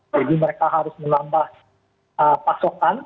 jadi mereka harus melambah pasokan